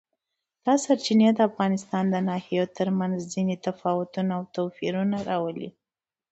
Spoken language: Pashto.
دا سرچینې د افغانستان د ناحیو ترمنځ ځینې تفاوتونه او توپیرونه راولي.